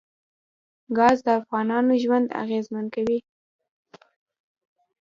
ګاز د افغانانو ژوند اغېزمن کوي.